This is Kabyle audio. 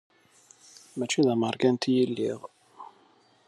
Mačči d ameṛkanti i lliɣ.